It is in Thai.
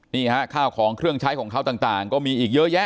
นี่ฮะข้าวของเครื่องใช้ของเขาต่างก็มีอีกเยอะแยะ